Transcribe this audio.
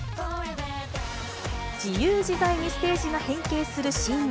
自由自在にステージが変形するシーン。